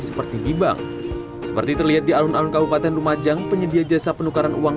seperti di bank seperti terlihat di alun alun kabupaten lumajang penyedia jasa penukaran uang